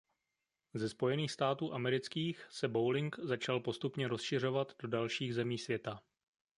Ze Spojených států amerických se bowling začal postupně rozšiřovat do dalších zemí světa.